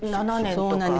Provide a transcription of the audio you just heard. そうなんです。